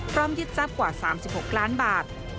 ยึดทรัพย์กว่า๓๖ล้านบาท